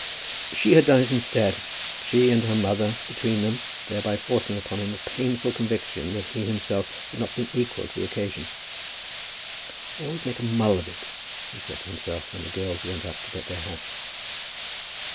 She had done it instead, she and her mother between them, thereby forcing upon him a painful conviction that he himself had not been equal to the occasion. "I always make a mull of it," he said to himself, when the girls went up to get their hats.